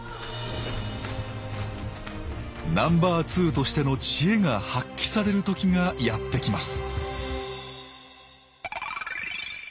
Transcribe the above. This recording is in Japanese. ナンバーツーとしての知恵が発揮される時がやって来ます